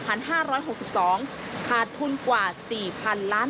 ประกอบกับต้นทุนหลักที่เพิ่มขึ้น